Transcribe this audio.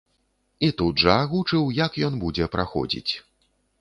І тут жа агучыў, як ён будзе праходзіць.